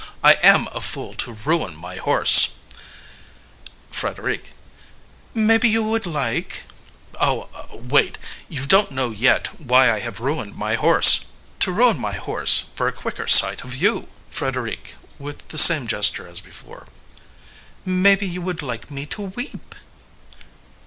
I am a fool to ruin my horse ..." FREDERIQUE "Maybe you would like ..." AMADEUS Oh, wait!... You don't know yet why I have ruined my horse.... "To ruin my horse for a quicker sight of you ..." FREDERIQUE (with the same gesture as before) "Maybe you would like me to weep?"